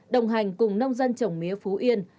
đồng hành cùng nông dân trồng mía phú yên